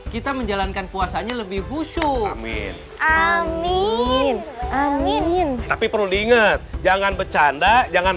kita menjalankan puasanya lebih husu amin amin amin tapi perlu diingat jangan bercanda jangan